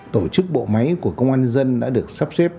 tổ chức bộ máy của công an nhân dân đã được sắp xếp